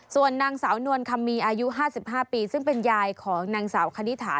ส่วนนางสาวนวลคำมีอายุ๕๕ปีซึ่งเป็นยายของนางสาวคณิตถา